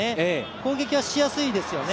攻撃はしやすいですよね。